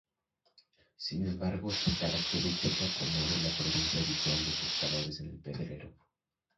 Sin embargo esta característica promueve la presencia habitual de pescadores en el pedrero.